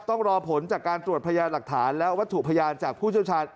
ต้องรอผลจากการตรวจพยานหลักฐานและวัตถุพยานจากผู้เชี่ยวชาญ